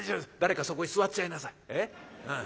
誰かそこへ座っちゃいなさい。